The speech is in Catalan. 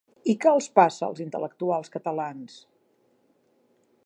I què els passa, als intel·lectuals catalans?